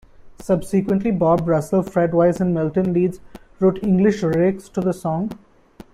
Subsequently, Bob Russell, Fred Wise and Milton Leeds wrote English lyrics to the song.